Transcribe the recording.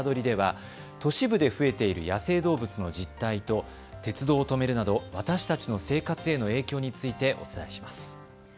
では、都市部で増えている野生動物の実態と鉄道を止めるなど私たちの生活への影響についてお伝えします。